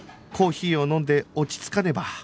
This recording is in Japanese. コーヒーを飲んで落ち着かねば